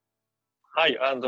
はい。